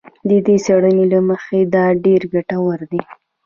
د دې څېړنې له مخې دا ډېر ګټور دی